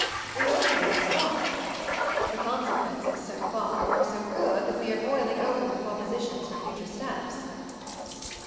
We've only made a start. The consequences, so far, are so good that we are boiling over with propositions for future steps."